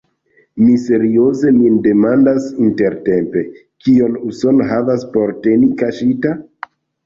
Mi serioze min demandas intertempe: kion Usono havas por teni kaŝita?